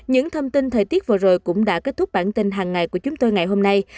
những thông tin thời tiết vừa rồi cũng đã kết thúc bản tin hàng ngày của chúng tôi ngày hôm nay